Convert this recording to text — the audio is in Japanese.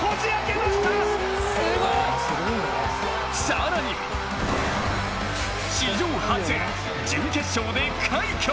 更に史上初、準決勝で快挙。